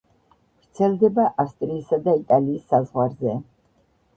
ვრცელდება ავსტრიისა და იტალიის საზღვარზე.